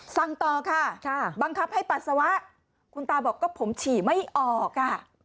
สั่งต่อค่ะบังคับให้ปัสสาวะคุณตาบอกก็ผมฉี่ไม่ออกอ่ะ